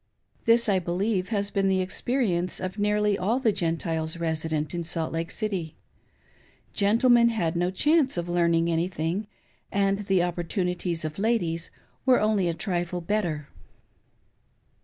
This, I believe, has been the experience of nearly all the Gentiles resident in Salt Lake City. Gentlemen had no chance of learning anything, and the opportunities of ladies were only a trifle better.